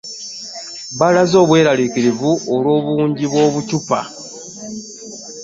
Balaze obweralikirivu olwo bungi bw'obucupa.